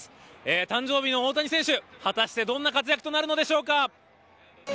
誕生日の大谷選手果たしてどんな活躍となるのでしょうか。